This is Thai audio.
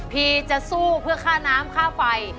พี่จะสู้เพื่อค่าน้ำค่าไฟ